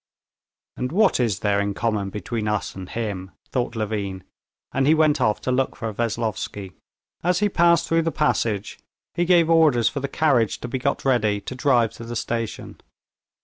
"And what is there in common between us and him?" thought Levin, and he went off to look for Veslovsky. As he passed through the passage he gave orders for the carriage to be got ready to drive to the station.